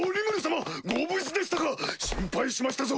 心配しましたぞ！